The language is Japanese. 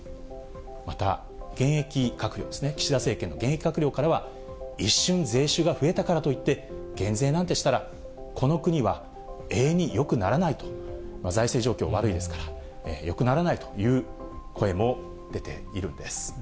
また、現役閣僚ですね、岸田政権の現役閣僚からは一瞬、税収が増えたからといって、減税なんてしたら、この国は永遠によくならないと、財政状況悪いですから、よくならないという声も出ているんです。